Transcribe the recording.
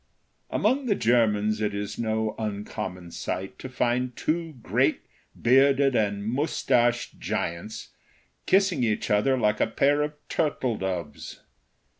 Among the Germans it is no uncommon sight to find two great, bearded and mustached giants, kissing each other like a pair of turtle doves.